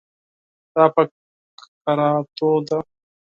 دا په کراتو ده.